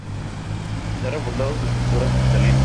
Se ha reportado su estructura cristalina.